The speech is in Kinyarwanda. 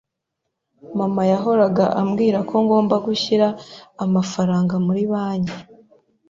Mama yahoraga ambwira ko ngomba gushyira amafaranga muri banki